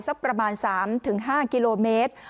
สักประมาณ๓๕กิโลเมตร